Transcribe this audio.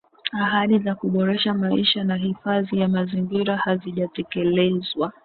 Ahadi za kuboresha maisha na hifadhi ya mazingira hazijatekelezwa